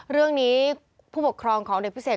เรื่องนี้ผู้ปกครองของเด็กพิเศษ